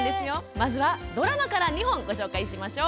まずは、ドラマから２本ご紹介しましょう。